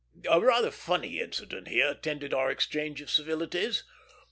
A rather funny incident here attended our exchange of civilities.